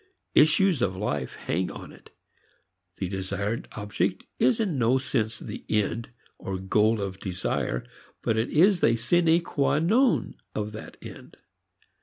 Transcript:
Issues of life hang upon it. The desired object is in no sense the end or goal of desire, but it is the sine qua non of that end.